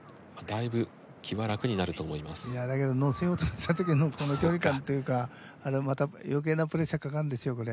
いやだけど乗せようとしたときのこの距離感っていうかあれまた余計なプレッシャーかかんですよこれ。